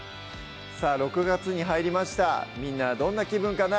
さぁ６月に入りましたみんなはどんな気分かな？